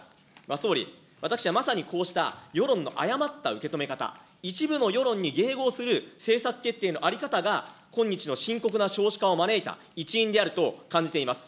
総理、私はまさにこうした世論の誤った受け止め方、一部の世論に迎合する政策決定の在り方が、今日の深刻な少子化を招いた一因であると感じています。